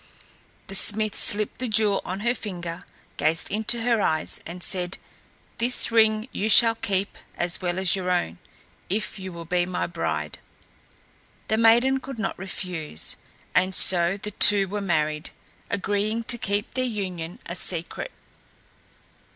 The smith slipped the jewel on her finger, gazed into her eyes and said, "This ring you shall keep as well as your own, if you will be my bride." The maiden could not refuse, and so the two were married, agreeing to keep their union a secret.